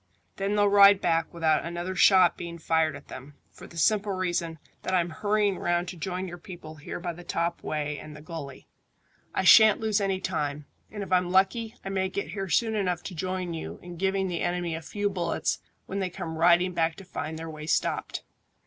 Then they'll ride back without another shot being fired at them, for the simple reason that I'm hurrying round to join your people here by the top way and the gully. I shan't lose any time, and if I'm lucky I may get here soon enough to join you in giving the enemy a few bullets when they come riding back to find their way stopped."